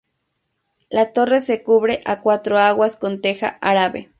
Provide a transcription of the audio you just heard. La torre se cubre a cuatro aguas con teja árabe.